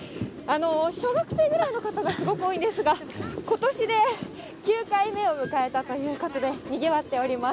小学生ぐらいの方がすごく多いんですが、ことしで９回目を迎えたということで、にぎわっております。